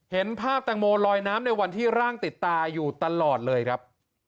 เห็นภาพแตงโมลอยน้ำในวันที่ร่างติดตาอยู่ตลอดเลยครับ